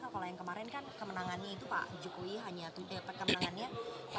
kalau yang kemarin kan kemenangannya itu pak jokowi hanya kemenangannya